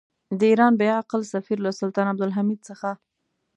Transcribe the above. د ایران بې عقل سفیر له سلطان عبدالحمید څخه.